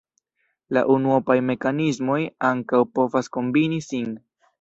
La unuopaj mekanismoj ankaŭ povas kombini sin.